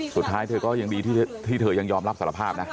เธอก็ยังดีที่เธอยังยอมรับสารภาพนะ